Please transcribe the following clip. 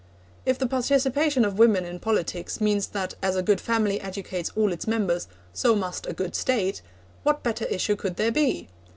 If the participation of women in politics means that as a good family educates all its members, so must a good State, what better issue could there be?